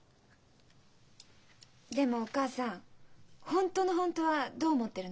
でもお母さん本当の本当はどう思ってるの？